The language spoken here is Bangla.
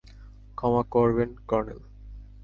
ক্ষমা করবেন, কর্নেল।